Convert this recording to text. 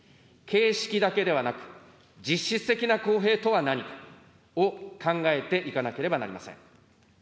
形式だけではなく、実質的な公平とは何かを考えていかなければなりません。